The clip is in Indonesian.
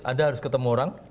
anda harus ketemu orang